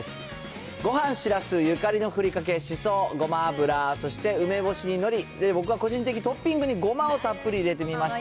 ごはん、しらす、ゆかりのふりかけ、しそ、ごま油、そして梅干しにのり、僕は個人的にトッピングに、ごまをたっぷり入れてみました。